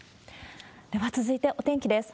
では続いてお天気です。